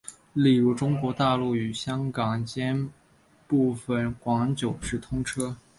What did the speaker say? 例如中国大陆与香港间部分广九直通车。